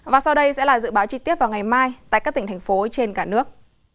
và sau đây sẽ là dự báo chi tiết vào ngày mai tại các tỉnh thành phố trên cả nước